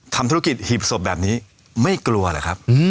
ทำธุรกิจหีบศพแบบนี้ไม่กลัวเหรอครับ